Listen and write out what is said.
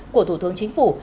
của thủ tướng chính phủ